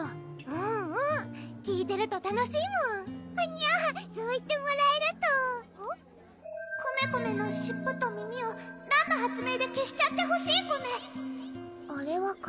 うんうん聞いてると楽しいもんはにゃそう言ってもらえるとコメコメの尻尾と耳をらんの発明で消しちゃってほしいコメ